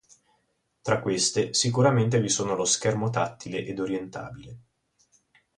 Tra queste sicuramente vi sono lo schermo tattile ed orientabile.